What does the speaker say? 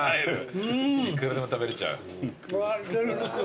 いくらでも食べれちゃう。